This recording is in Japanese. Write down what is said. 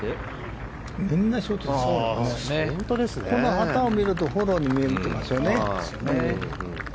旗を見るとフォローに見えてますよね。